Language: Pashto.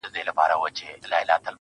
چا ویل چي خدای د انسانانو په رکم نه دی,